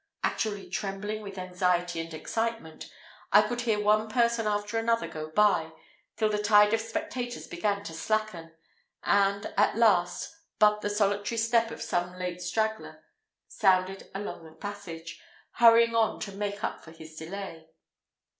Actually trembling with anxiety and excitement, I could hear one person after another go by, till the tide of spectators began to slacken, and, at last, but the solitary step of some late straggler sounded along the passage, hurrying on to make up for his delay.